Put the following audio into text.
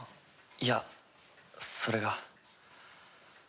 いやそれが。